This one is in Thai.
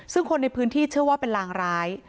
ซึ่งคนในพื้นที่เชื่อว่าเป็นลางร้าย